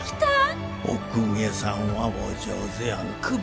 お公家さんはお上手やなぁ。